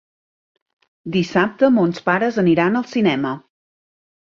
Dissabte mons pares aniran al cinema.